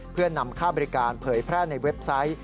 เพื่อนำค่าบริการเผยแพร่ในเว็บไซต์